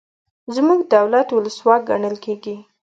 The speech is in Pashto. زموږ دولت ولسواک ګڼل کیږي.